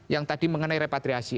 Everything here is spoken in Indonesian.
yang tadi mengenai repatriasi